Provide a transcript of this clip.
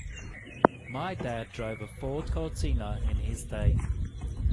My dad drove a Ford Cortina in his day.